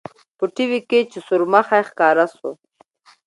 په ټي وي کښې چې سورمخى ښکاره سو.